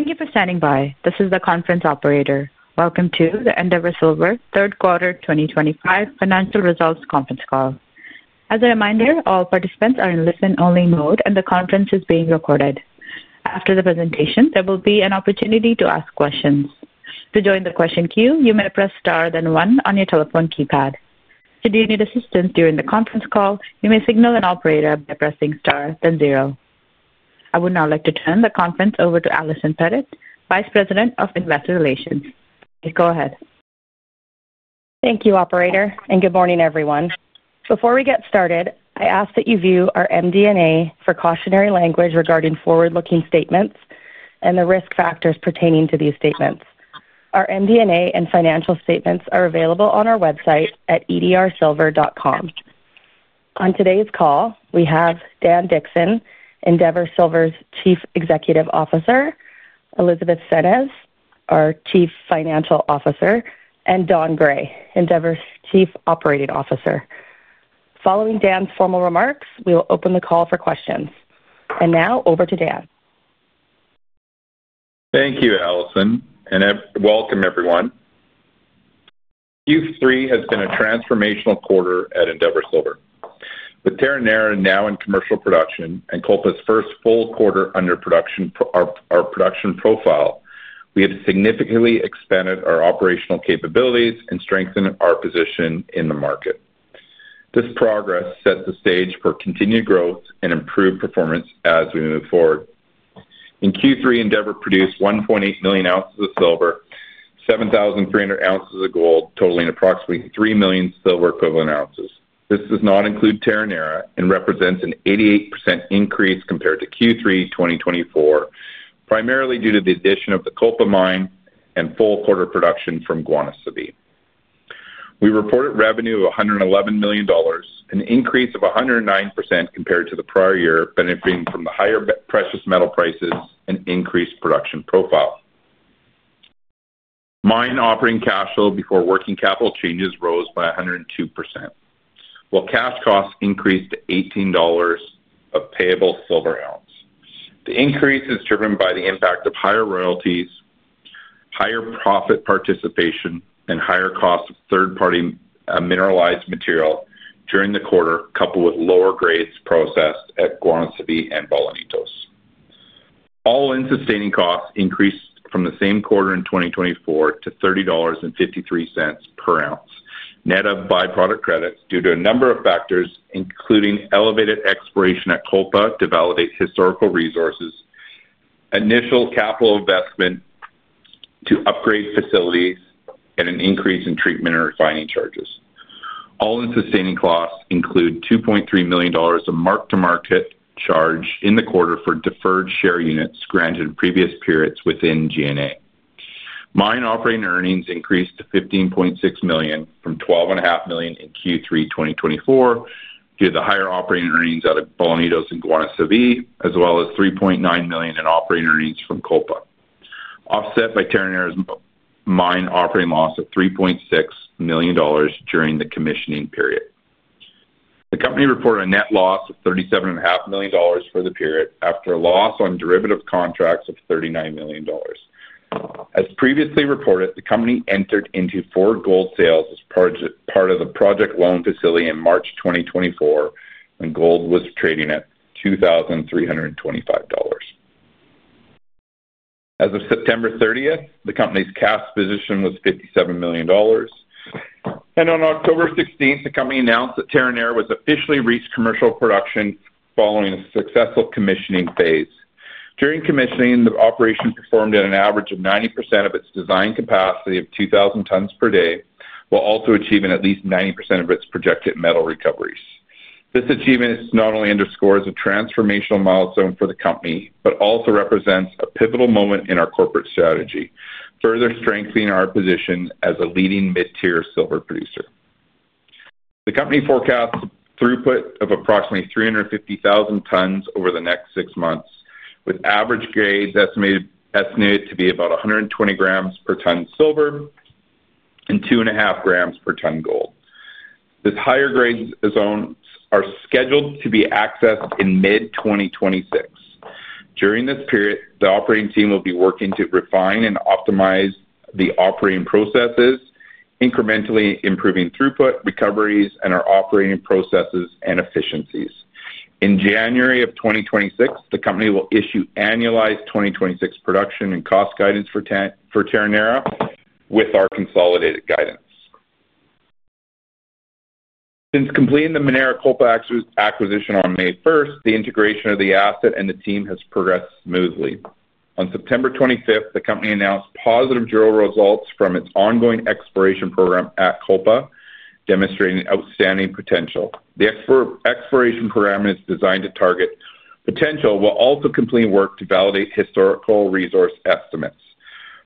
Thank you for standing by. This is the conference operator. Welcome to the Endeavour Silver Third Quarter 2025 Financial Results Conference Call. As a reminder, all participants are in listen-only mode, and the conference is being recorded. After the presentation, there will be an opportunity to ask questions. To join the question queue, you may press star then one on your telephone keypad. Should you need assistance during the conference call, you may signal an operator by pressing star then zero. I would now like to turn the conference over to Allison Pettit, Vice President of Investor Relations. Please go ahead. Thank you, Operator, and good morning, everyone. Before we get started, I ask that you view our MD&A precautionary language regarding forward-looking statements and the risk factors pertaining to these statements. Our MD&A and financial statements are available on our website at edrsilver.com. On today's call, we have Dan Dickson, Endeavour Silver's Chief Executive Officer, Elizabeth Senez, our Chief Financial Officer, and Don Gray, Endeavour's Chief Operating Officer. Following Dan's formal remarks, we will open the call for questions. Now, over to Dan. Thank you, Allison, and welcome, everyone. Q3 has been a transformational quarter at Endeavour Silver. With Terronera now in commercial production and Kolpa's first full quarter under production profile, we have significantly expanded our operational capabilities and strengthened our position in the market. This progress sets the stage for continued growth and improved performance as we move forward. In Q3, Endeavour produced 1.8 million ounces of silver, 7,300 ounces of gold, totaling approximately 3 million silver equivalent ounces. This does not include Terronera and represents an 88% increase compared to Q3 2024, primarily due to the addition of the Kolpa mine and full quarter production from Guanacevi. We reported revenue of $111 million, an increase of 109% compared to the prior year, benefiting from the higher precious metal prices and increased production profile. Mine operating cash flow before working capital changes rose by 102%, while cash costs increased to $18 of payable silver ounces. The increase is driven by the impact of higher royalties, higher profit participation, and higher costs of third-party mineralized material during the quarter, coupled with lower grades processed at Guanacevi and Bolañitos. All-in sustaining costs increased from the same quarter in 2024 to $30.53 per ounce, net of byproduct credits due to a number of factors, including elevated exploration at Kolpa to validate historical resources, initial capital investment to upgrade facilities, and an increase in treatment and refining charges. All-in sustaining costs include $2.3 million of mark-to-market charge in the quarter for deferred share units granted in previous periods within G&A. Mine operating earnings increased to $15.6 million from $12.5 million in Q3 2024 due to the higher operating earnings out of Bolañitos and Guanacevi, as well as $3.9 million in operating earnings from Kolpa, offset by Terronera's mine operating loss of $3.6 million during the commissioning period. The company reported a net loss of $37.5 million for the period after a loss on derivative contracts of $39 million. As previously reported, the company entered into four gold sales as part of the project loan facility in March 2024, and gold was trading at $2,325. As of September 30, the company's cash position was $57 million. On October 16, the company announced that Terronera officially reached commercial production following a successful commissioning phase. During commissioning, the operation performed at an average of 90% of its design capacity of 2,000 tons per day, while also achieving at least 90% of its projected metal recoveries. This achievement not only underscores a transformational milestone for the company but also represents a pivotal moment in our corporate strategy, further strengthening our position as a leading mid-tier silver producer. The company forecasts throughput of approximately 350,000 tons over the next six months, with average grades estimated to be about 120 grams per ton silver and 2.5 grams per ton gold. These higher grade zones are scheduled to be accessed in mid-2026. During this period, the operating team will be working to refine and optimize the operating processes, incrementally improving throughput, recoveries, and our operating processes and efficiencies. In January of 2026, the company will issue annualized 2026 production and cost guidance for Terronera with our consolidated guidance. Since completing the Minera Kolpa acquisition on May 1, the integration of the asset and the team has progressed smoothly. On September 25, the company announced positive durable results from its ongoing exploration program at Kolpa, demonstrating outstanding potential. The exploration program is designed to target potential while also completing work to validate historical resource estimates.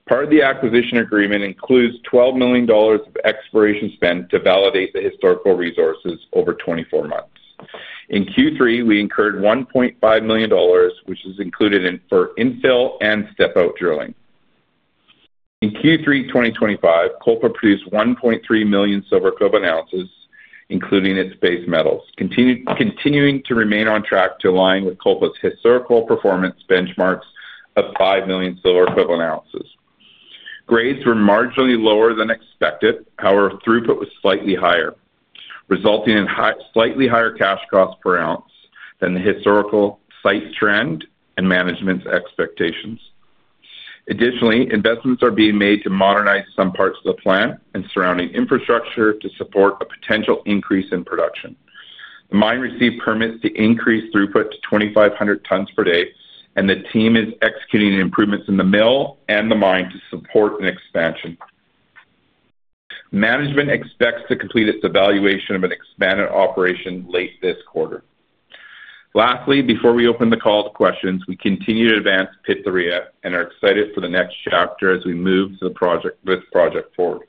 Part of the acquisition agreement includes $12 million of exploration spend to validate the historical resources over 24 months. In Q3, we incurred $1.5 million, which is included for infill and step-out drilling. In Q3 2025, Kolpa produced 1.3 million silver equivalent ounces, including its base metals, continuing to remain on track to align with Kolpa's historical performance benchmarks of 5 million silver equivalent ounces. Grades were marginally lower than expected; however, throughput was slightly higher, resulting in slightly higher cash costs per ounce than the historical site trend and management's expectations. Additionally, investments are being made to modernize some parts of the plant and surrounding infrastructure to support a potential increase in production. The mine received permits to increase throughput to 2,500 tons per day, and the team is executing improvements in the mill and the mine to support an expansion. Management expects to complete its evaluation of an expanded operation late this quarter. Lastly, before we open the call to questions, we continue to advance Pitarrilla and are excited for the next chapter as we move this project forward,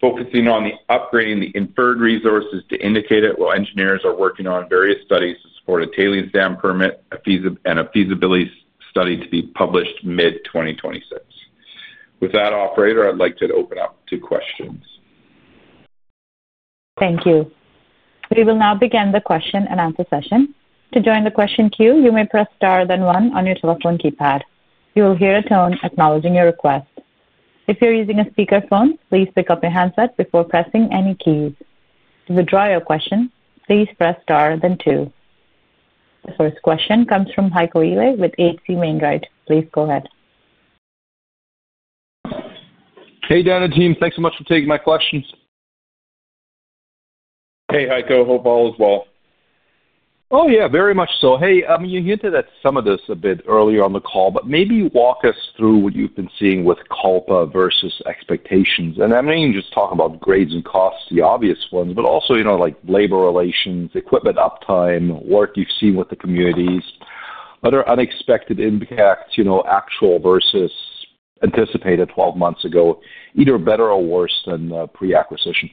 focusing on upgrading the inferred resources to indicated while engineers are working on various studies to support a tailings dam permit and a feasibility study to be published mid-2026. With that, Operator, I'd like to open up to questions. Thank you. We will now begin the question and answer session. To join the question queue, you may press star then one on your telephone keypad. You will hear a tone acknowledging your request. If you're using a speakerphone, please pick up your handset before pressing any keys. To withdraw your question, please press star then two. The first question comes from Heiko Ihle with H.C. Wainwright. Please go ahead. Hey, Dan and team. Thanks so much for taking my questions. Hey, Heiko. Hope all is well. Oh, yeah, very much so. Hey, I mean, you hinted at some of this a bit earlier on the call, but maybe walk us through what you've been seeing with Kolpa versus expectations. I mean, you just talk about grades and costs, the obvious ones, but also labor relations, equipment uptime, work you've seen with the communities, other unexpected impacts, actual versus anticipated 12 months ago, either better or worse than pre-acquisition.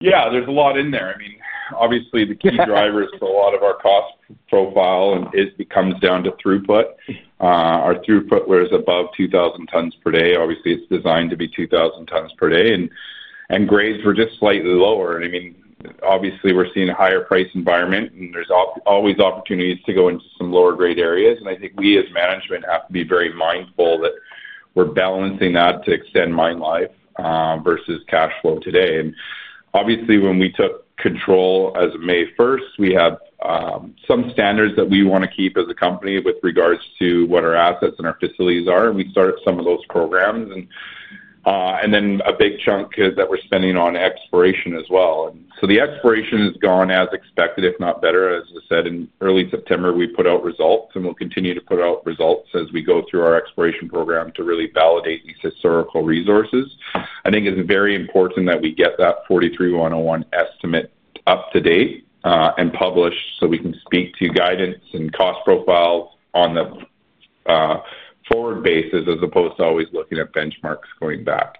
Yeah, there's a lot in there. I mean, obviously, the key drivers for a lot of our cost profile comes down to throughput. Our throughput, where it's above 2,000 tons per day, obviously, it's designed to be 2,000 tons per day. And grades were just slightly lower. I mean, obviously, we're seeing a higher price environment, and there's always opportunities to go into some lower-grade areas. I think we, as management, have to be very mindful that we're balancing that to extend mine life versus cash flow today. Obviously, when we took control as of May 1, we have some standards that we want to keep as a company with regards to what our assets and our facilities are. We started some of those programs, and then a big chunk is that we're spending on exploration as well. The exploration has gone as expected, if not better. As I said, in early September, we put out results, and we will continue to put out results as we go through our exploration program to really validate these historical resources. I think it is very important that we get that NI 43-101 estimate up to date and published so we can speak to guidance and cost profile on the forward basis as opposed to always looking at benchmarks going back.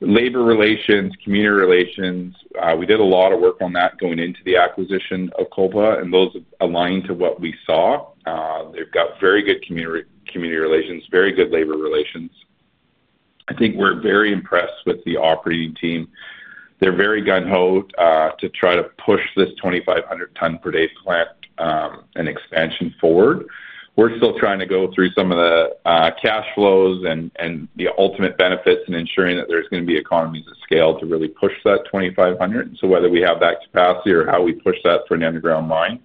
Labor relations, community relations, we did a lot of work on that going into the acquisition of Kolpa, and those align to what we saw. They have very good community relations, very good labor relations. I think we are very impressed with the operating team. They are very gung-ho to try to push this 2,500-ton-per-day plant and expansion forward. We're still trying to go through some of the cash flows and the ultimate benefits and ensuring that there's going to be economies of scale to really push that 2,500. Whether we have that capacity or how we push that for an underground mine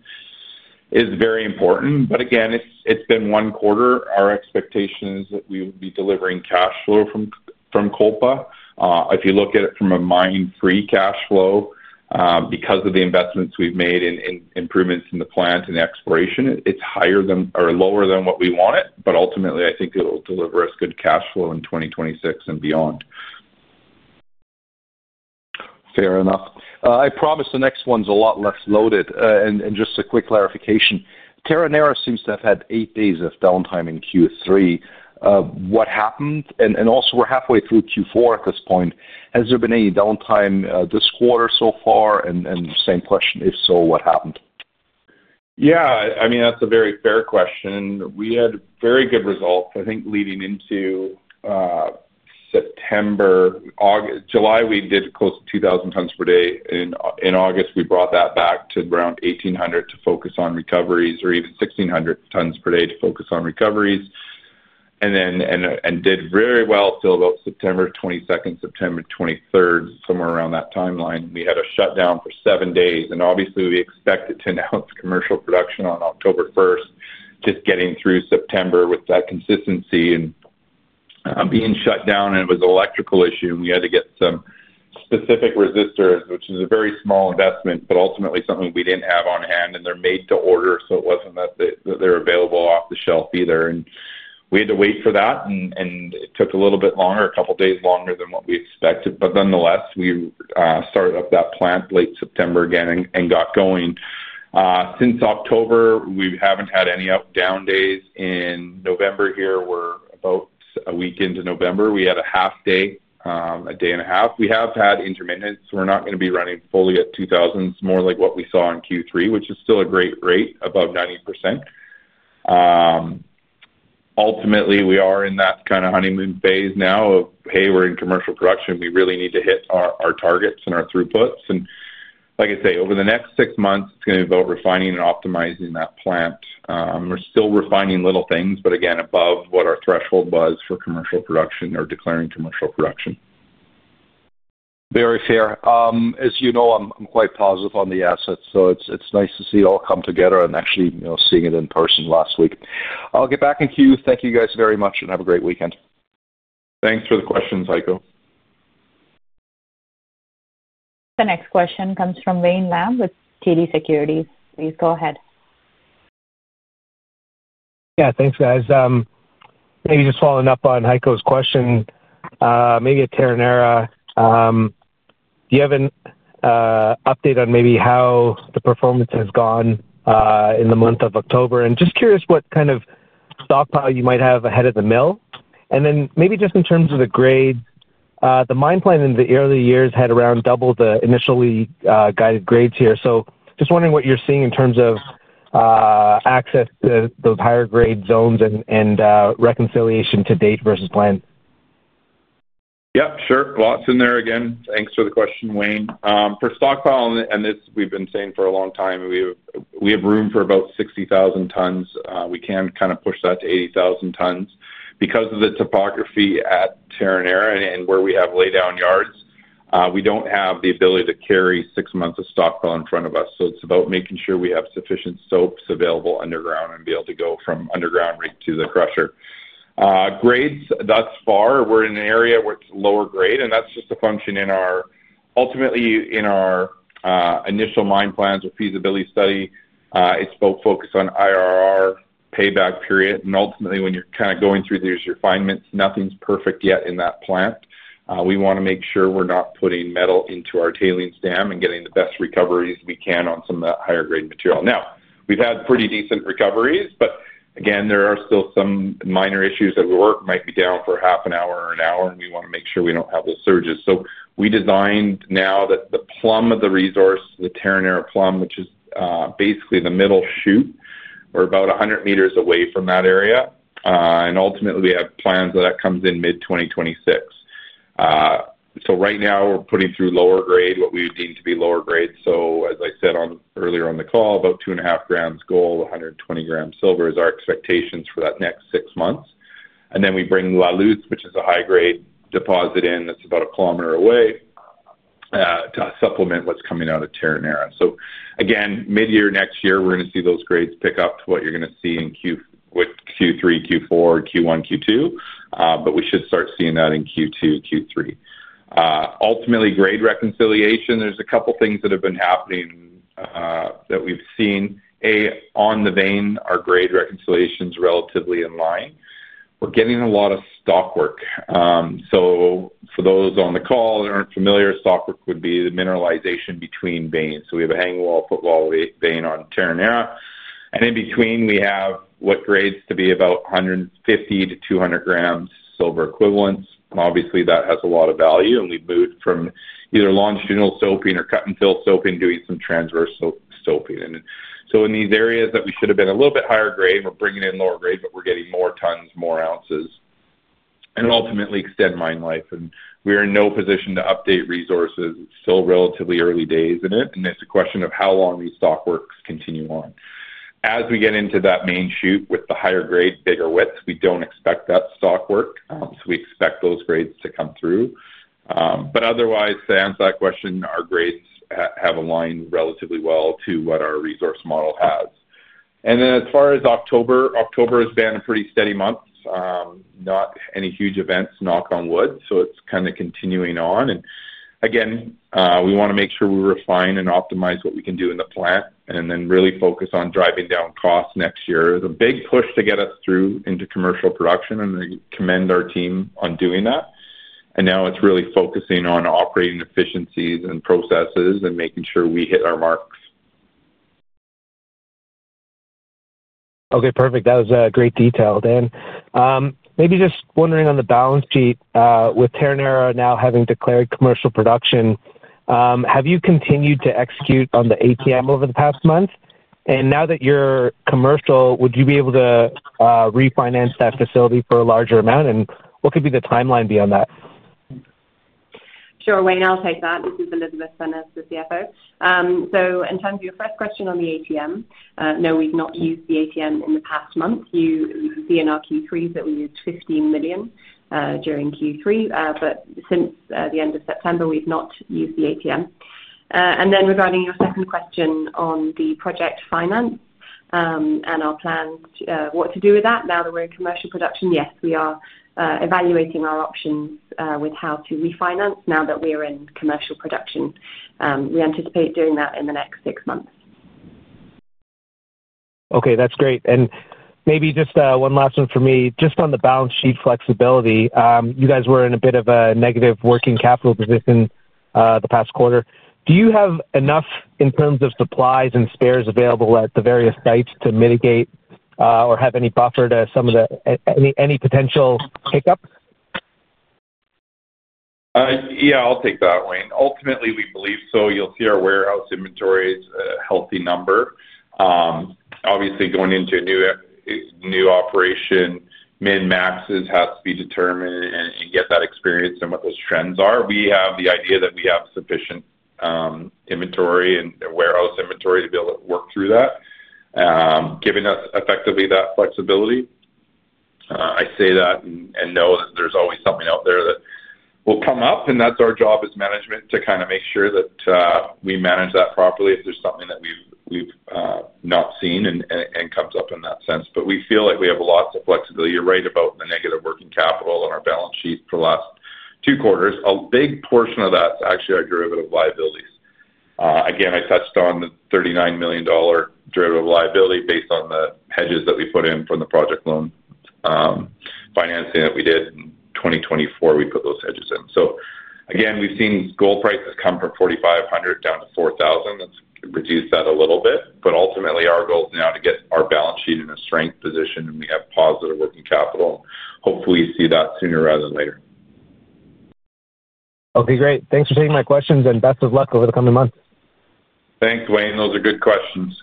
is very important. Again, it's been one quarter. Our expectation is that we will be delivering cash flow from Kolpa. If you look at it from a mine-free cash flow, because of the investments we've made in improvements in the plant and exploration, it's higher than or lower than what we want it. Ultimately, I think it will deliver us good cash flow in 2026 and beyond. Fair enough. I promise the next one's a lot less loaded. Just a quick clarification, Terronera seems to have had eight days of downtime in Q3. What happened? Also, we're halfway through Q4 at this point. Has there been any downtime this quarter so far? Same question, if so, what happened? Yeah. I mean, that's a very fair question. We had very good results, I think, leading into September. July, we did close to 2,000 tons per day. In August, we brought that back to around 1,800 to focus on recoveries, or even 1,600 tons per day to focus on recoveries, and did very well till about September 22nd, September 23rd, somewhere around that timeline. We had a shutdown for seven days. Obviously, we expected to announce commercial production on October 1st, just getting through September with that consistency and being shut down. It was an electrical issue, and we had to get some specific resistors, which is a very small investment, but ultimately something we did not have on hand. They're made to order, so it wasn't that they're available off the shelf either. We had to wait for that, and it took a little bit longer, a couple of days longer than what we expected. Nonetheless, we started up that plant late September again and got going. Since October, we haven't had any down days. In November here, we're about a week into November. We had a half day, a day and a half. We have had intermittent. We're not going to be running fully at 2,000. It's more like what we saw in Q3, which is still a great rate, above 90%. Ultimately, we are in that kind of honeymoon phase now of, "Hey, we're in commercial production. We really need to hit our targets and our throughputs. Like I say, over the next six months, it's going to be about refining and optimizing that plant. We're still refining little things, but again, above what our threshold was for commercial production or declaring commercial production. Very fair. As you know, I'm quite positive on the assets, so it's nice to see it all come together and actually seeing it in person last week. I'll get back to you. Thank you guys very much, and have a great weekend. Thanks for the questions, Heiko. The next question comes from Wayne Lam with TD Securities. Please go ahead. Yeah, thanks, guys. Maybe just following up on Heiko's question, maybe at Terronera, do you have an update on maybe how the performance has gone in the month of October? Just curious what kind of stockpile you might have ahead of the mill. Then maybe just in terms of the grades, the mine plan in the earlier years had around double the initially guided grades here. Just wondering what you're seeing in terms of access to those higher-grade zones and reconciliation to date versus plan. Yep, sure. Lots in there again. Thanks for the question, Wayne. For stockpile, and this we've been saying for a long time, we have room for about 60,000 tons. We can kind of push that to 80,000 tons. Because of the topography at Terronera and where we have laydown yards, we do not have the ability to carry six months of stockpile in front of us. It is about making sure we have sufficient stopes available underground and be able to go from underground rig to the crusher. Grades thus far, we are in an area where it is lower grade, and that is just a function in our ultimately in our initial mine plans or feasibility study. It is both focused on IRR payback period. Ultimately, when you are kind of going through these refinements, nothing is perfect yet in that plant. We want to make sure we're not putting metal into our tailings stream and getting the best recoveries we can on some of that higher-grade material. Now, we've had pretty decent recoveries, but again, there are still some minor issues that we work might be down for half an hour or an hour, and we want to make sure we don't have those surges. We designed now that the plum of the resource, the Terronera plum, which is basically the middle chute, we're about 100 meters away from that area. Ultimately, we have plans that that comes in mid-2026. Right now, we're putting through lower grade, what we deem to be lower grade. As I said earlier on the call, about 2.5 grams gold, 120 grams silver is our expectations for that next six months. We bring La Luz, which is a high-grade deposit that is about a kilometer away, to supplement what is coming out of Terronera. Mid-year next year, we are going to see those grades pick up to what you are going to see in Q3, Q4, Q1, Q2. We should start seeing that in Q2, Q3. Ultimately, grade reconciliation, there are a couple of things that have been happening that we have seen. A, on the vein, our grade reconciliation is relatively in line. We are getting a lot of stockwork. For those on the call that are not familiar, stockwork would be the mineralization between veins. We have a hanging wall, footwall vein on Terronera, and in between, we have what grades to be about 150-200 grams silver equivalents. Obviously, that has a lot of value, and we've moved from either longitudinal stoping or cut-and-fill stoping doing some transversal stoping. In these areas that we should have been a little bit higher grade, we're bringing in lower grade, but we're getting more tons, more ounces, and ultimately extend mine life. We are in no position to update resources. It's still relatively early days in it, and it's a question of how long these stockworks continue on. As we get into that main chute with the higher grade, bigger width, we don't expect that stockwork. We expect those grades to come through. Otherwise, to answer that question, our grades have aligned relatively well to what our resource model has. As far as October, October has been a pretty steady month, not any huge events, knock on wood. It's kind of continuing on. Again, we want to make sure we refine and optimize what we can do in the plant and then really focus on driving down costs next year. There's a big push to get us through into commercial production, and we commend our team on doing that. Now it's really focusing on operating efficiencies and processes and making sure we hit our marks. Okay, perfect. That was great detail, Dan. Maybe just wondering on the balance sheet, with Terronera now having declared commercial production, have you continued to execute on the ATM over the past month? Now that you're commercial, would you be able to refinance that facility for a larger amount? What could be the timeline beyond that? Sure. Wayne, I'll take that. This is Elizabeth Senez, the CFO. In terms of your first question on the ATM, no, we've not used the ATM in the past month. You see in our Q3s that we used $15 million during Q3, but since the end of September, we've not used the ATM. Regarding your second question on the project finance and our plans, what to do with that now that we're in commercial production, yes, we are evaluating our options with how to refinance now that we are in commercial production. We anticipate doing that in the next six months. Okay, that's great. Maybe just one last one for me. Just on the balance sheet flexibility, you guys were in a bit of a negative working capital position the past quarter. Do you have enough in terms of supplies and spares available at the various sites to mitigate or have any buffer to some of the any potential hiccups? Yeah, I'll take that, Wayne. Ultimately, we believe so. You'll see our warehouse inventory is a healthy number. Obviously, going into a new operation, min/maxes has to be determined and get that experience and what those trends are. We have the idea that we have sufficient inventory and warehouse inventory to be able to work through that, giving us effectively that flexibility. I say that and know that there's always something out there that will come up, and that's our job as management to kind of make sure that we manage that properly if there's something that we've not seen and comes up in that sense. We feel like we have lots of flexibility. You're right about the negative working capital on our balance sheet for the last two quarters. A big portion of that is actually our derivative liabilities. Again, I touched on the $39 million derivative liability based on the hedges that we put in from the project loan financing that we did in 2024. We put those hedges in. Again, we've seen gold prices come from $4,500 down to $4,000. That's reduced that a little bit. Ultimately, our goal is now to get our balance sheet in a strength position, and we have positive working capital. Hopefully, we see that sooner rather than later. Okay, great. Thanks for taking my questions, and best of luck over the coming months. Thanks, Wayne. Those are good questions.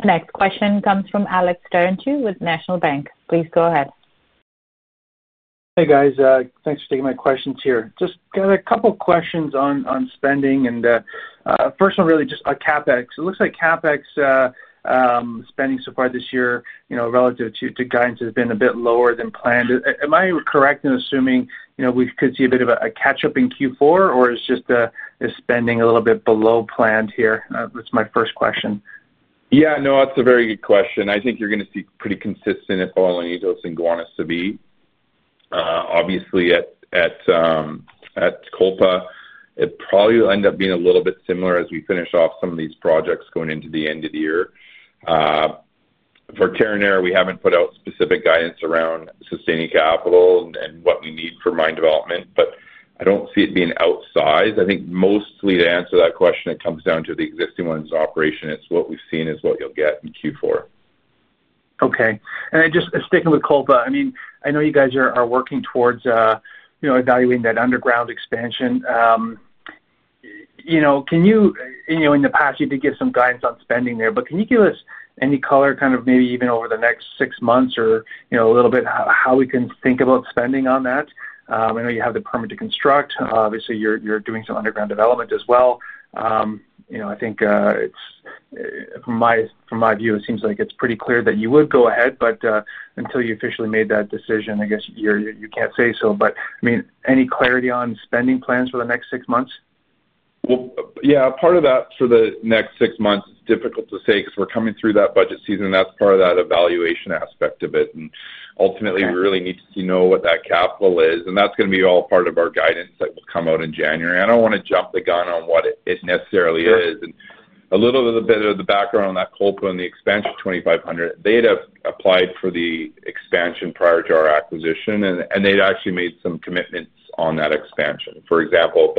The next question comes from Alex Terentiew with National Bank. Please go ahead. Hey, guys. Thanks for taking my questions here. Just got a couple of questions on spending. First one, really just on CapEx. It looks like CapEx spending so far this year relative to guidance has been a bit lower than planned. Am I correct in assuming we could see a bit of a catch-up in Q4, or is just the spending a little bit below planned here? That's my first question. Yeah, no, that's a very good question. I think you're going to see pretty consistent if all of these are going to be obviously at Kolpa. It probably will end up being a little bit similar as we finish off some of these projects going into the end of the year. For Terronera, we haven't put out specific guidance around sustaining capital and what we need for mine development, but I don't see it being outsized. I think mostly to answer that question, it comes down to the existing ones operation. It's what we've seen is what you'll get in Q4. Okay. And just sticking with Kolpa, I mean, I know you guys are working towards evaluating that underground expansion. In the past, you did give some guidance on spending there, but can you give us any color kind of maybe even over the next six months or a little bit how we can think about spending on that? I know you have the permit to construct. Obviously, you're doing some underground development as well. I think from my view, it seems like it's pretty clear that you would go ahead, but until you officially made that decision, I guess you can't say so. I mean, any clarity on spending plans for the next six months? Part of that for the next six months is difficult to say because we're coming through that budget season. That's part of that evaluation aspect of it. Ultimately, we really need to know what that capital is. That's going to be all part of our guidance that will come out in January. I don't want to jump the gun on what it necessarily is. A little bit of the background on that Kolpa and the expansion 2,500, they'd have applied for the expansion prior to our acquisition, and they'd actually made some commitments on that expansion. For example, a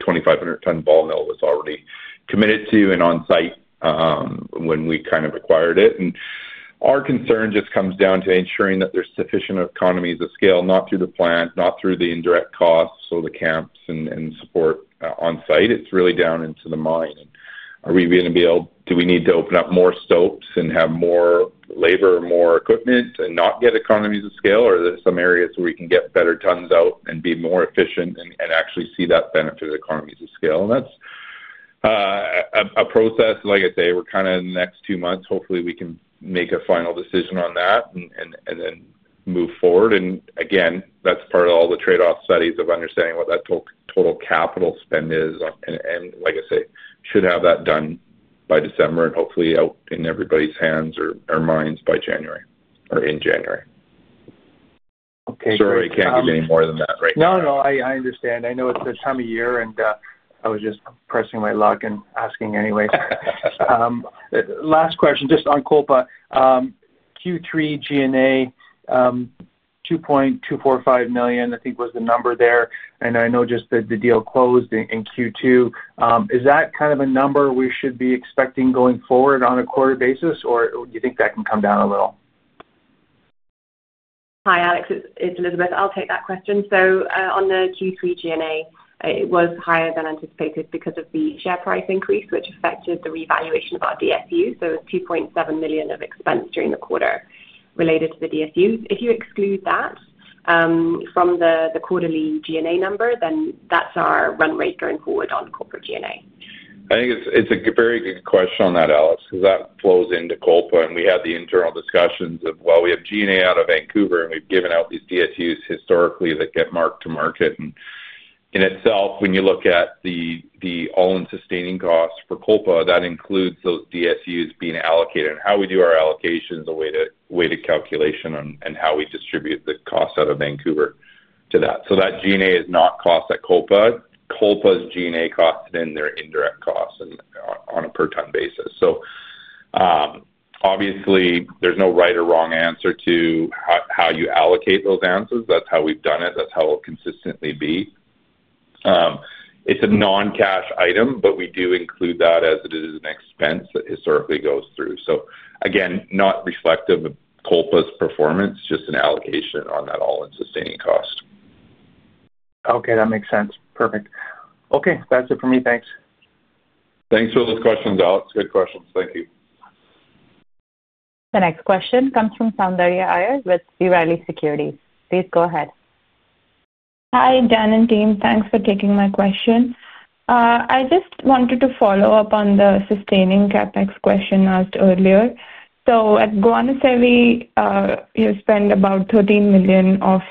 2,500-ton ball mill was already committed to and on-site when we kind of acquired it. Our concern just comes down to ensuring that there's sufficient economies of scale, not through the plant, not through the indirect costs or the camps and support on-site. It's really down into the mine. Are we going to be able to, do we need to open up more stopes and have more labor, more equipment, and not get economies of scale? Or are there some areas where we can get better tons out and be more efficient and actually see that benefit of economies of scale? That's a process, like I say, we're kind of in the next two months. Hopefully, we can make a final decision on that and then move forward. That's part of all the trade-off studies of understanding what that total capital spend is. Like I say, should have that done by December and hopefully out in everybody's hands or minds by January or in January. Sorry, I can't give you any more than that right now. No, no, I understand. I know it's the time of year, and I was just pressing my luck and asking anyway. Last question just on Kolpa. Q3 G&A $2.245 million, I think was the number there. And I know just that the deal closed in Q2. Is that kind of a number we should be expecting going forward on a quarter basis, or do you think that can come down a little? Hi, Alex. It's Elizabeth. I'll take that question. On the Q3 G&A, it was higher than anticipated because of the share price increase, which affected the revaluation of our DSU. It was $2.7 million of expense during the quarter related to the DSU. If you exclude that from the quarterly G&A number, then that's our run rate going forward on corporate G&A. I think it's a very good question on that, Alex, because that flows into Kolpa. We had the internal discussions of, well, we have G&A out of Vancouver, and we've given out these DSUs historically that get marked to market. In itself, when you look at the all-in sustaining costs for Kolpa, that includes those DSUs being allocated. How we do our allocation is a way to calculate and how we distribute the cost out of Vancouver to that. That G&A is not cost at Kolpa. Kolpa's G&A costs in their indirect costs on a per-ton basis. Obviously, there's no right or wrong answer to how you allocate those answers. That's how we've done it. That's how it'll consistently be. It's a non-cash item, but we do include that as it is an expense that historically goes through. Again, not reflective of Kolpa's performance, just an allocation on that all-in sustaining cost. Okay, that makes sense. Perfect. Okay, that's it for me. Thanks. Thanks for those questions, Alex. Good questions. Thank you. The next question comes from Soundarya Iyer with B. Riley Securities. Please go ahead. Hi, Dan and team. Thanks for taking my question. I just wanted to follow up on the sustaining CapEx question asked earlier. At Guanacevi, you spend about $13 million off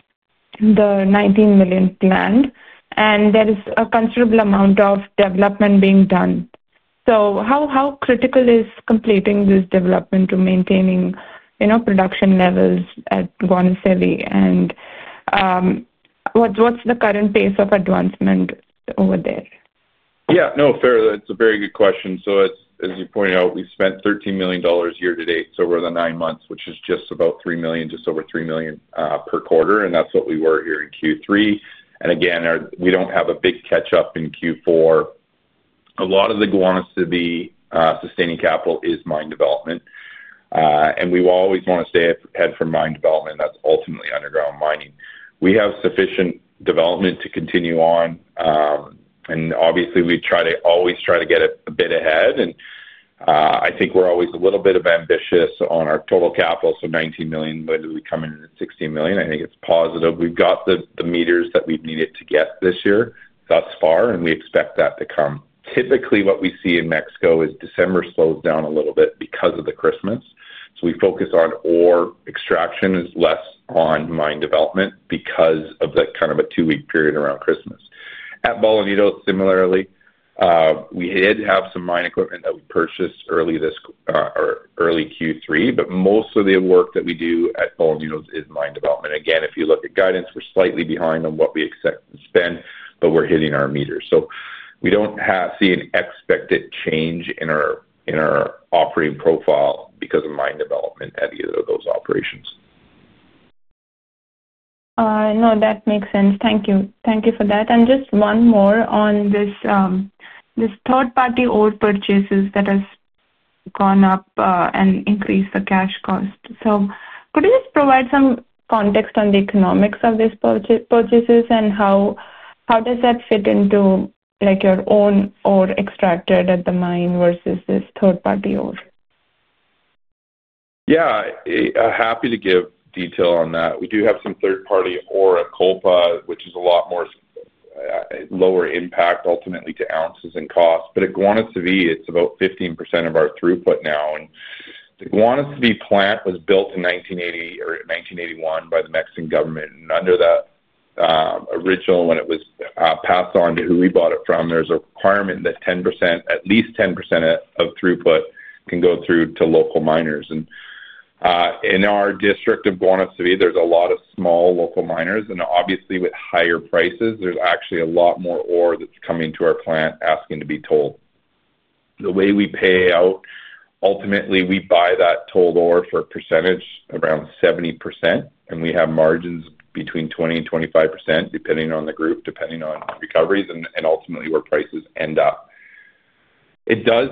the $19 million planned, and there is a considerable amount of development being done. How critical is completing this development to maintaining production levels at Guanacevi? What's the current pace of advancement over there? Yeah, no, fair. That's a very good question. As you point out, we spent $13 million year to date over the nine months, which is just about $3 million, just over $3 million per quarter. That's what we were here in Q3. Again, we do not have a big catch-up in Q4. A lot of the Guanacevi sustaining capital is mine development. We always want to stay ahead from mine development. That's ultimately underground mining. We have sufficient development to continue on. Obviously, we try to always try to get a bit ahead. I think we're always a little bit ambitious on our total capital. $19 million, whether we come in at $16 million, I think it's positive. We've got the meters that we've needed to get this year thus far, and we expect that to come. Typically, what we see in Mexico is December slows down a little bit because of the Christmas. We focus on ore extraction, less on mine development because of the kind of a two-week period around Christmas. At Bolañitos, similarly, we did have some mine equipment that we purchased early Q3, but most of the work that we do at Bolañitos is mine development. If you look at guidance, we're slightly behind on what we expect to spend, but we're hitting our meters. We do not see an expected change in our operating profile because of mine development at either of those operations. No, that makes sense. Thank you. Thank you for that. Just one more on this third-party ore purchases that has gone up and increased the cash cost. Could you just provide some context on the economics of these purchases and how does that fit into your own ore extracted at the mine versus this third-party ore? Yeah, happy to give detail on that. We do have some third-party ore at Kolpa, which is a lot more lower impact ultimately to ounces and cost. At Guanacevi, it's about 15% of our throughput now. The Guanacevi plant was built in 1980 or 1981 by the Mexican government. Under that original, when it was passed on to who we bought it from, there's a requirement that at least 10% of throughput can go through to local miners. In our district of Guanacevi, there's a lot of small local miners. Obviously, with higher prices, there's actually a lot more ore that's coming to our plant asking to be tolled. The way we pay out, ultimately, we buy that third-party ore for a percentage around 70%, and we have margins between 20%-25% depending on the group, depending on recoveries, and ultimately where prices end up. It does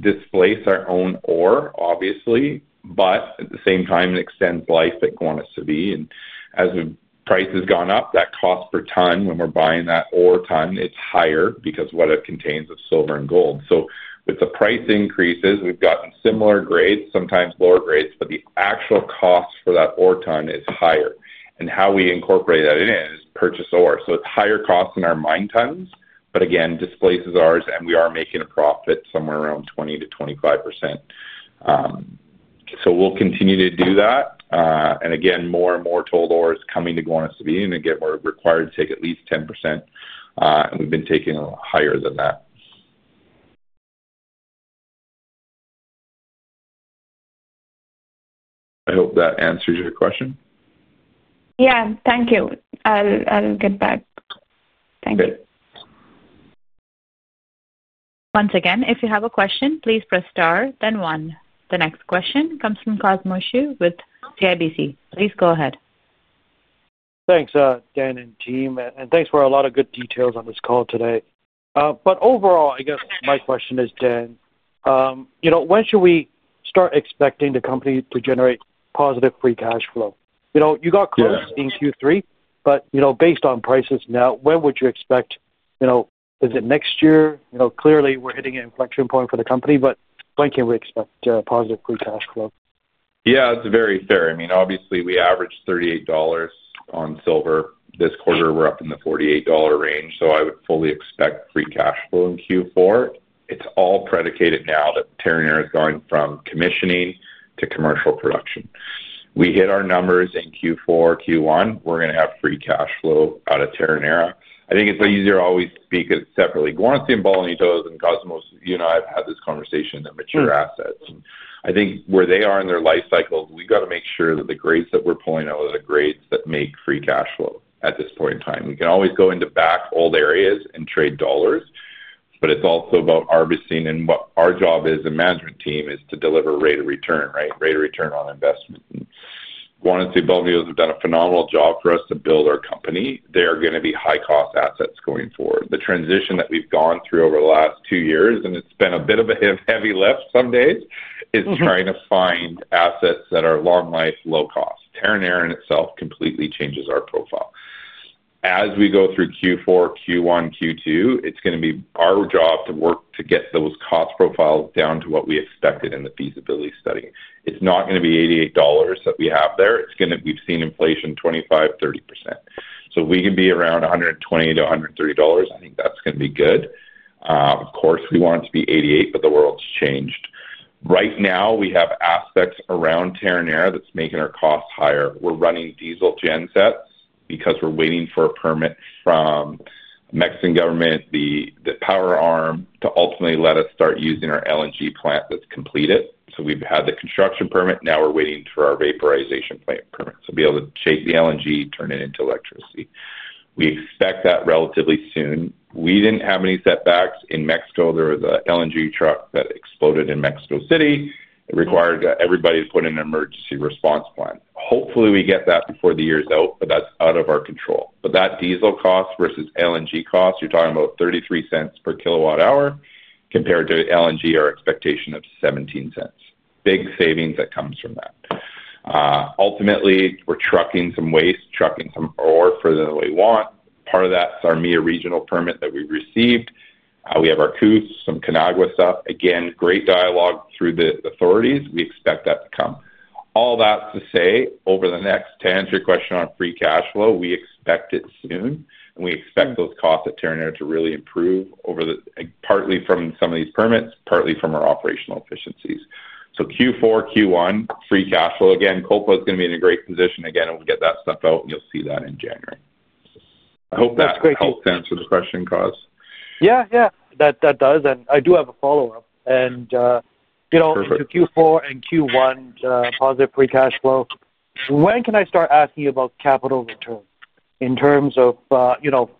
displace our own ore, obviously, but at the same time, it extends life at Guanacevi. As the price has gone up, that cost per ton when we're buying that ore ton, it's higher because of what it contains of silver and gold. With the price increases, we've gotten similar grades, sometimes lower grades, but the actual cost for that ore ton is higher. How we incorporate that in is purchase ore. It's higher costs than our mine tons, but again, displaces ours, and we are making a profit somewhere around 20%-25%. We'll continue to do that. Again, more and more toll ore is coming to Guanacevi, and again, we're required to take at least 10%, and we've been taking higher than that. I hope that answers your question. Yeah, thank you. I'll get back. Thank you. Okay. Once again, if you have a question, please press star, then one. The next question comes from Cosmos Chiu with CIBC. Please go ahead. Thanks, Dan and team. Thanks for a lot of good details on this call today. Overall, I guess my question is, Dan, when should we start expecting the company to generate positive free cash flow? You got close in Q3, but based on prices now, when would you expect? Is it next year? Clearly, we're hitting an inflection point for the company, but when can we expect positive free cash flow? Yeah, that's very fair. I mean, obviously, we averaged $38 on silver. This quarter, we're up in the $48 range. I would fully expect free cash flow in Q4. It's all predicated now that Terronera is going from commissioning to commercial production. We hit our numbers in Q4, Q1, we're going to have free cash flow out of Terronera. I think it's easier to always speak separately. Guanacevi, Bolañitos, and Kolpa, I've had this conversation in the mature assets. I think where they are in their life cycles, we've got to make sure that the grades that we're pulling out are the grades that make free cash flow at this point in time. We can always go into back old areas and trade dollars, but it's also about harvesting. What our job is, the management team, is to deliver rate of return, right? Rate of return on investment. Guanacevi and Bolañitos have done a phenomenal job for us to build our company. They are going to be high-cost assets going forward. The transition that we have gone through over the last two years, and it has been a bit of a heavy lift some days, is trying to find assets that are long-life, low-cost. Terronera in itself completely changes our profile. As we go through Q4, Q1, Q2, it is going to be our job to work to get those cost profiles down to what we expected in the feasibility study. It is not going to be $88 that we have there. We have seen inflation 25%-30%. If we can be around $120-$130, I think that is going to be good. Of course, we want it to be $88, but the world has changed. Right now, we have aspects around Terronera that's making our cost higher. We're running diesel gensets because we're waiting for a permit from the Mexican government, the power arm, to ultimately let us start using our LNG plant that's completed. We've had the construction permit. Now we're waiting for our vaporization plant permit to be able to shake the LNG, turn it into electricity. We expect that relatively soon. We didn't have any setbacks. In Mexico, there was an LNG truck that exploded in Mexico City. It required everybody to put in an emergency response plan. Hopefully, we get that before the year's out, but that's out of our control. That diesel cost versus LNG cost, you're talking about $0.33 kWh compared to LNG, our expectation of $0.17. Big savings that comes from that. Ultimately, we're trucking some waste, trucking some ore for the way we want. Part of that is our MIA regional permit that we received. We have our COUS, some CONAGUA stuff. Again, great dialogue through the authorities. We expect that to come. All that to say, over the next, to answer your question on free cash flow, we expect it soon. We expect those costs at Terronera to really improve partly from some of these permits, partly from our operational efficiencies. Q4, Q1, free cash flow. Again, Kolpa is going to be in a great position. Again, we'll get that stuff out, and you'll see that in January. I hope that helps answer the question, Cos. Yeah, yeah. That does. I do have a follow-up. Q4 and Q1, positive free cash flow. When can I start asking you about capital return in terms of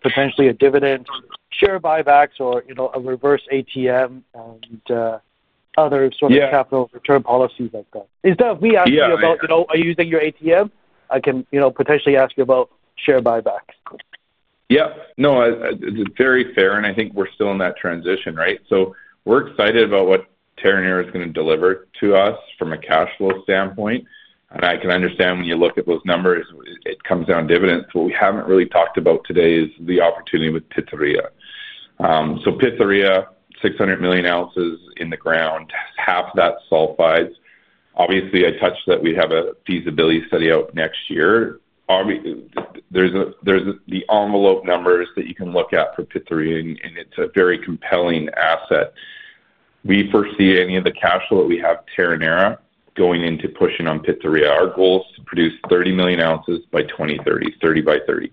potentially a dividend, share buybacks, or a reverse ATM and other sort of capital return policies like that? Instead of me asking you about, "Are you using yo`ur ATM?" I can potentially ask you about share buybacks. Yeah. No, it's very fair. I think we're still in that transition, right? We're excited about what Terronera is going to deliver to us from a cash flow standpoint. I can understand when you look at those numbers, it comes down to dividends. What we haven't really talked about today is the opportunity with Pitarrilla. Pitarrilla, 600 million ounces in the ground, half that sulfides. Obviously, I touched that we have a feasibility study out next year. There's the envelope numbers that you can look at for Pitarrilla, and it's a very compelling asset. We foresee any of the cash flow that we have from Terronera going into pushing on Pitarrilla. Our goal is to produce 30 million ounces by 2030, 30 by 30.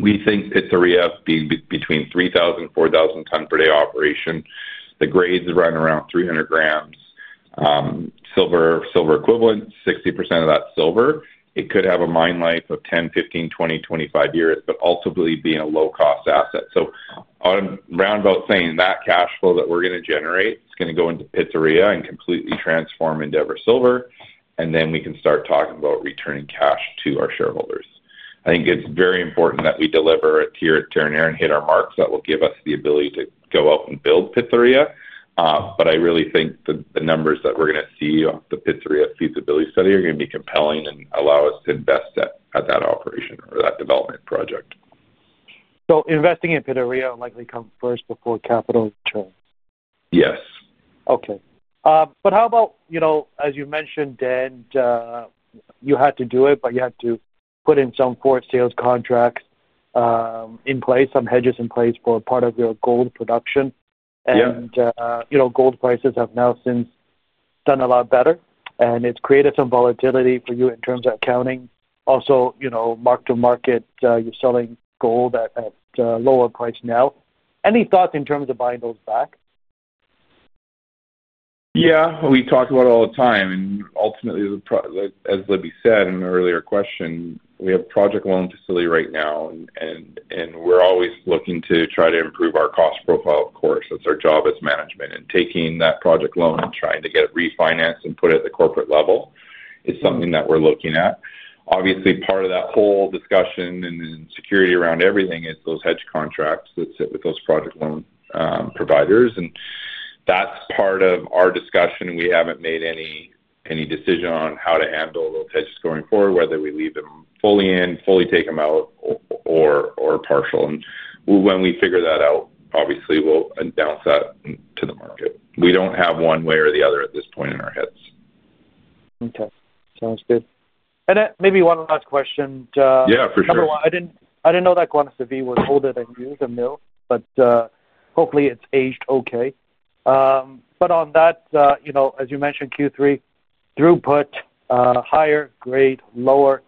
We think Pitarrilla being between 3,000-4,000 ton per day operation. The grades run around 300 grams. Silver equivalent, 60% of that silver. It could have a mine life of 10, 15, 20, 25 years, but ultimately being a low-cost asset. So around about saying that cash flow that we're going to generate, it's going to go into Pitarrilla and completely transform Endeavour Silver, and then we can start talking about returning cash to our shareholders. I think it's very important that we deliver it here at Terronera and hit our marks that will give us the ability to go out and build Pitarrilla. But I really think the numbers that we're going to see off the Pitarrilla feasibility study are going to be compelling and allow us to invest at that operation or that development project. Investing in Pitarrilla will likely come first before capital return? Yes. Okay. How about, as you mentioned, Dan, you had to do it, but you had to put in some forward sales contracts in place, some hedges in place for part of your gold production. Gold prices have now since done a lot better, and it's created some volatility for you in terms of accounting. Also, mark-to-market, you're selling gold at a lower price now. Any thoughts in terms of buying those back? Yeah. We talk about it all the time. Ultimately, as Libby said in an earlier question, we have a project loan facility right now, and we're always looking to try to improve our cost profile, of course. That's our job as management. Taking that project loan and trying to get it refinanced and put at the corporate level is something that we're looking at. Obviously, part of that whole discussion and security around everything is those hedge contracts that sit with those project loan providers. That's part of our discussion. We haven't made any decision on how to handle those hedges going forward, whether we leave them fully in, fully take them out, or partial. When we figure that out, obviously, we'll announce that to the market. We don't have one way or the other at this point in our heads. Okay. Sounds good. Maybe one last question. Yeah, for sure. Number one, I did not know that Guanacevi was older than [Bolañitos [mill], but hopefully, it has aged okay. On that, as you mentioned, Q3, throughput, higher grade, lower.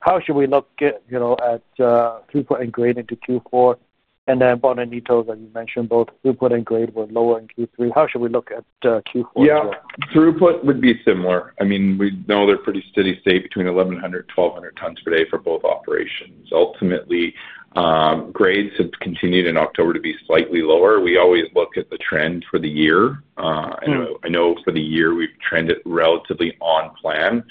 How should we look at throughput and grade into Q4? Then Bolañitos, as you mentioned, both throughput and grade were lower in Q3. How should we look at Q4? Yeah. Throughput would be similar. I mean, we know they're pretty steady state between 1,100 and 1,200 tons per day for both operations. Ultimately, grades have continued in October to be slightly lower. We always look at the trend for the year. I know for the year, we've trended relatively on plan.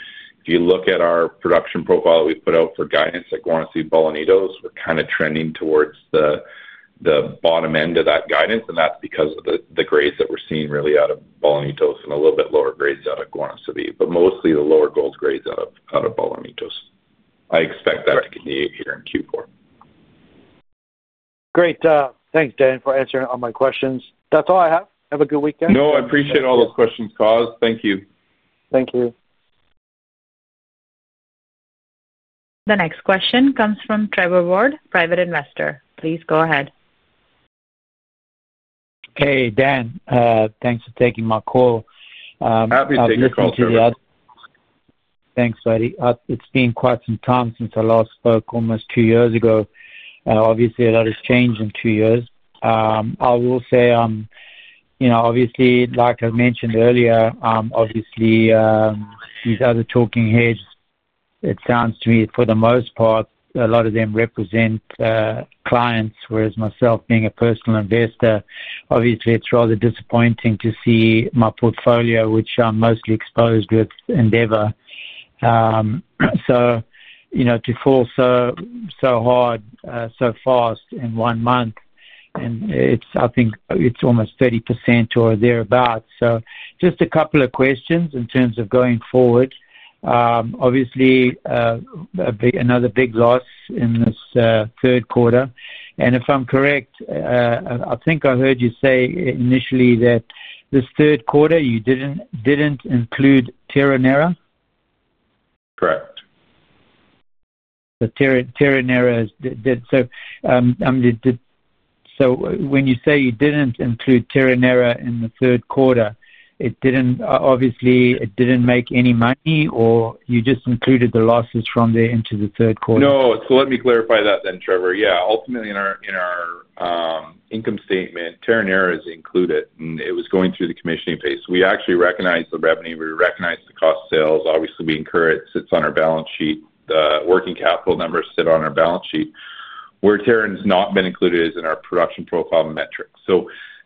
If you look at our production profile that we put out for guidance at Guanacevi, Bolañitos, we're kind of trending towards the bottom end of that guidance. That's because of the grades that we're seeing really out of Bolañitos and a little bit lower grades out of Guanacevi. Mostly the lower gold grades out of Bolañitos. I expect that to continue here in Q4. Great. Thanks, Dan, for answering all my questions. That's all I have. Have a good weekend. No, I appreciate all those questions, Cos. Thank you. Thank you. The next question comes from Trevor Ward, private investor. Please go ahead. Hey, Dan. Thanks for taking my call. Happy to take your call, Dan. Thanks, buddy. It's been quite some time since I last spoke, almost two years ago. Obviously, a lot has changed in two years. I will say, obviously, like I mentioned earlier, obviously, these other talking heads, it sounds to me, for the most part, a lot of them represent clients, whereas myself, being a personal investor, obviously, it's rather disappointing to see my portfolio, which I'm mostly exposed with Endeavour, to fall so hard, so fast in one month, and I think it's almost 30% or thereabouts. Just a couple of questions in terms of going forward. Obviously, another big loss in this third quarter. If I'm correct, I think I heard you say initially that this third quarter, you didn't include Terronera? Correct. Terronera did. So when you say you didn't include Terronera in the third quarter, obviously, it didn't make any money, or you just included the losses from there into the third quarter? No. Let me clarify that then, Trevor. Yeah. Ultimately, in our income statement, Terronera is included, and it was going through the commissioning phase. We actually recognize the revenue. We recognize the cost sales. Obviously, we incur it. It sits on our balance sheet. The working capital numbers sit on our balance sheet. Where Terronera has not been included is in our production profile metrics.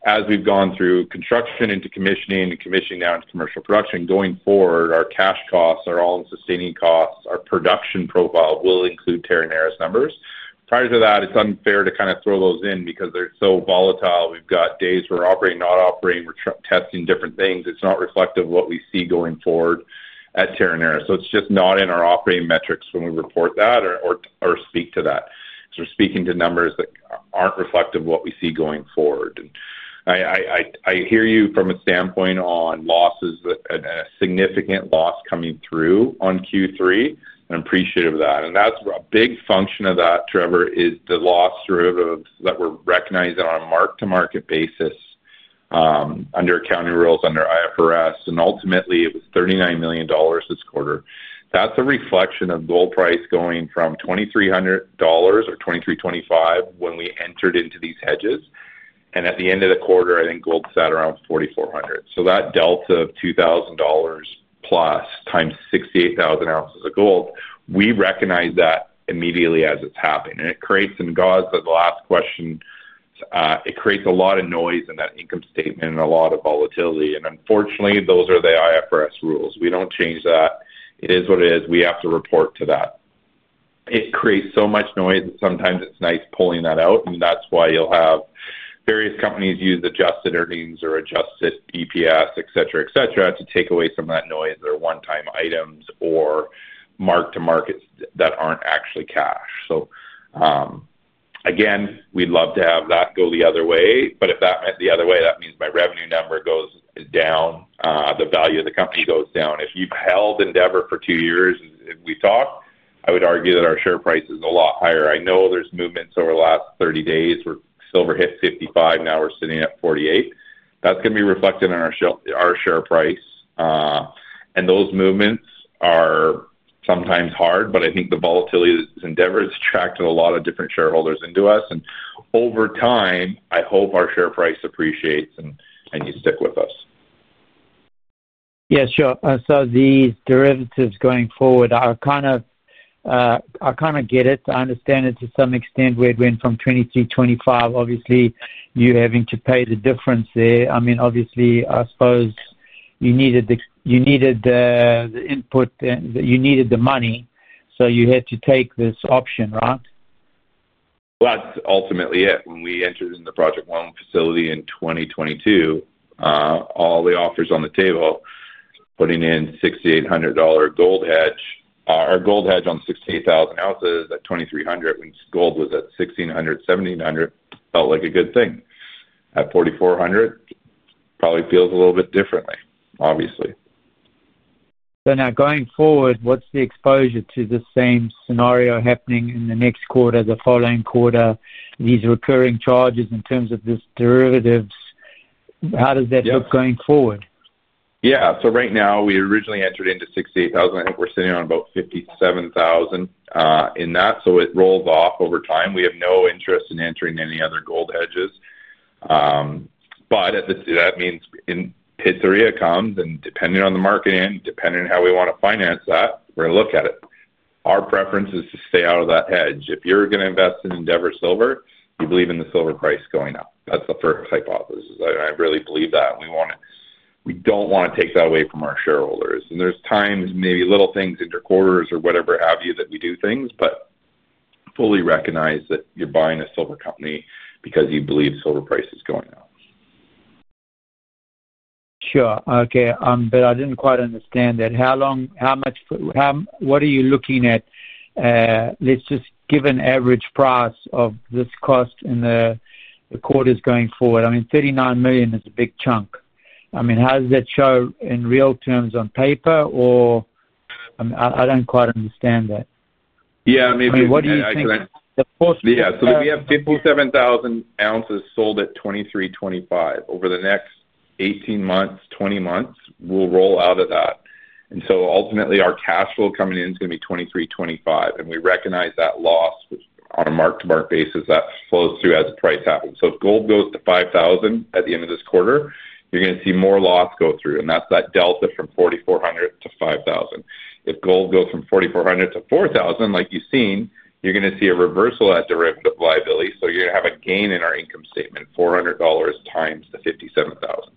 As we have gone through construction into commissioning and commissioning down to commercial production, going forward, our cash costs, our all-in sustaining costs, our production profile will include Terronera's numbers. Prior to that, it is unfair to kind of throw those in because they are so volatile. We have got days where we are operating, not operating. We are testing different things. It is not reflective of what we see going forward at Terronera. It is just not in our operating metrics when we report that or speak to that. We are speaking to numbers that are not reflective of what we see going forward. I hear you from a standpoint on losses, a significant loss coming through on Q3. I am appreciative of that. A big function of that, Trevor, is the loss that we are recognizing on a mark-to-market basis under accounting rules under IFRS. Ultimately, it was $39 million this quarter. That is a reflection of gold price going from $2,300 or $2,325 when we entered into these hedges. At the end of the quarter, I think gold sat around $4,400. That delta of $2,000 plus times 68,000 ounces of gold, we recognize that immediately as it is happening. It creates some gauze as the last question. It creates a lot of noise in that income statement and a lot of volatility. Unfortunately, those are the IFRS rules. We do not change that. It is what it is. We have to report to that. It creates so much noise that sometimes it is nice pulling that out. That is why you will have various companies use adjusted earnings or adjusted EPS, et cetera., etc., to take away some of that noise or one-time items or mark-to-markets that are not actually cash. Again, we would love to have that go the other way. If that meant the other way, that means my revenue number goes down. The value of the company goes down. If you have held Endeavour for two years, we talked, I would argue that our share price is a lot higher. I know there are movements over the last 30 days. Silver hit $55. Now we are sitting at $48. That's going to be reflected on our share price. Those movements are sometimes hard, but I think the volatility that Endeavour has attracted a lot of different shareholders into us. Over time, I hope our share price appreciates and you stick with us. Yeah, sure. So these derivatives going forward, I kind of get it. I understand it to some extent. We had went from $2,300, $2,500. Obviously, you having to pay the difference there. I mean, obviously, I suppose you needed the input. You needed the money. So you had to take this option, right? That's ultimately it. When we entered in the project loan facility in 2022, all the offers on the table, putting in 6,800 gold hedge, our gold hedge on 68,000 ounces at $2,300, when gold was at $1,600, $1,700, felt like a good thing. At $4,400, probably feels a little bit differently, obviously. Now going forward, what's the exposure to the same scenario happening in the next quarter, the following quarter, these recurring charges in terms of these derivatives? How does that look going forward? Yeah. So right now, we originally entered into 68,000. I think we're sitting on about 57,000 in that. It rolls off over time. We have no interest in entering any other gold hedges. That means Pitarrilla comes, and depending on the market and depending on how we want to finance that, we're going to look at it. Our preference is to stay out of that hedge. If you're going to invest in Endeavour Silver, you believe in the silver price going up. That's the first hypothesis. I really believe that. We don't want to take that away from our shareholders. There are times, maybe little things into quarters or whatever have you, that we do things, but fully recognize that you're buying a silver company because you believe silver price is going up. Sure. Okay. I didn't quite understand that. How much? What are you looking at? Let's just give an average price of this cost in the quarters going forward. I mean, $39 million is a big chunk. I mean, how does that show in real terms on paper? I don't quite understand that. Yeah. I mean, maybe higher than that. What do you think? Yeah. So we have 57,000 ounces sold at $2,300-$2,500. Over the next 18-20 months, we'll roll out of that. Ultimately, our cash flow coming in is going to be $2,300-$2,500. We recognize that loss on a mark-to-market basis that flows through as the price happens. If gold goes to $5,000 at the end of this quarter, you're going to see more loss go through. That's that delta from $4,400 to $5,000. If gold goes from $4,400 to $4,000, like you've seen, you're going to see a reversal of that derivative liability. You're going to have a gain in our income statement, $400 times the 57,000.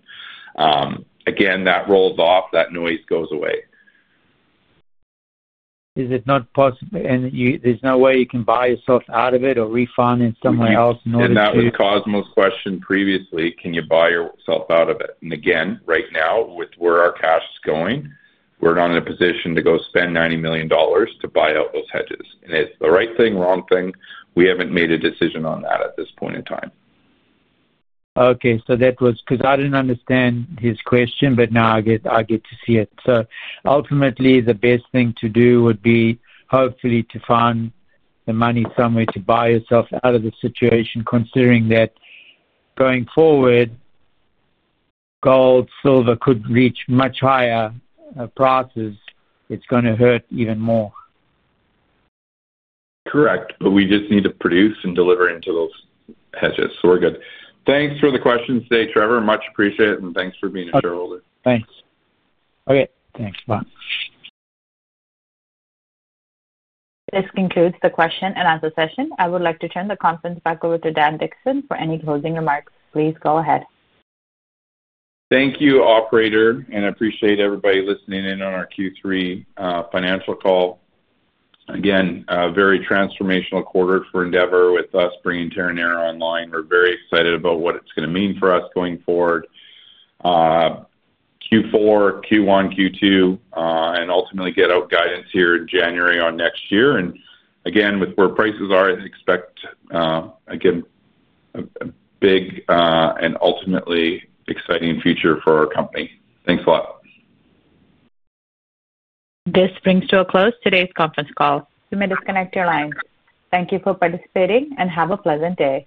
Again, that rolls off. That noise goes away. Is it not possible? There is no way you can buy yourself out of it or refinance somewhere else in order to? That was Cosmo's question previously. Can you buy yourself out of it? Again, right now, with where our cash is going, we're not in a position to go spend $90 million to buy out those hedges. It's the right thing, wrong thing. We haven't made a decision on that at this point in time. Okay. Because I did not understand his question, but now I get to see it. Ultimately, the best thing to do would be hopefully to find the money somewhere to buy yourself out of the situation, considering that going forward, gold, silver could reach much higher prices. It is going to hurt even more. Correct. We just need to produce and deliver into those hedges. We're good. Thanks for the questions today, Trevor. Much appreciated. Thanks for being a shareholder. Thanks. All right. Thanks. Bye. This concludes the question and answer session. I would like to turn the conference back over to Dan Dickson for any closing remarks. Please go ahead. Thank you, operator. I appreciate everybody listening in on our Q3 financial call. Again, very transformational quarter for Endeavour with us bringing Terronera online. We're very excited about what it's going to mean for us going forward. Q4, Q1, Q2, and ultimately get out guidance here in January on next year. Again, with where prices are, I expect, again, a big and ultimately exciting future for our company. Thanks a lot. This brings to a close today's conference call. You may disconnect your lines. Thank you for participating and have a pleasant day.